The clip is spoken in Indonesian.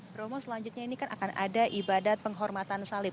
bromo selanjutnya ini kan akan ada ibadat penghormatan salib